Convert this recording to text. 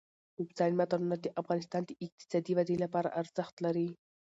اوبزین معدنونه د افغانستان د اقتصادي ودې لپاره ارزښت لري.